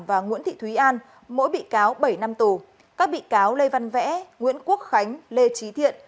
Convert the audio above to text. và nguyễn thị thúy an mỗi bị cáo bảy năm tù các bị cáo lê văn vẽ nguyễn quốc khánh lê trí thiện